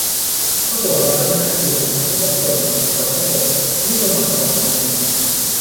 ถ้าหัวเราะแล้วหายกลัว เขาก็คน เราก็คน นี่ก็บ่อนเซาะอำนาจ